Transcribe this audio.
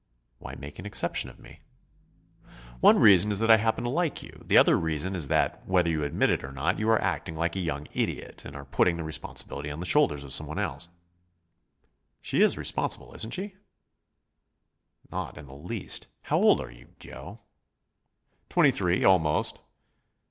"Why make an exception of me?" "One reason is that I happen to like you. The other reason is that, whether you admit it or not, you are acting like a young idiot, and are putting the responsibility on the shoulders of some one else." "She is responsible, isn't she?" "Not in the least. How old are you, Joe?" "Twenty three, almost."